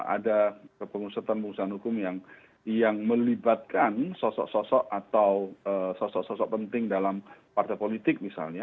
ada pengusutan pengusutan hukum yang melibatkan sosok sosok atau sosok sosok penting dalam partai politik misalnya